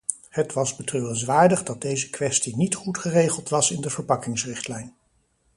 Het was betreurenswaardig dat deze kwestie niet goed geregeld was in de verpakkingsrichtlijn.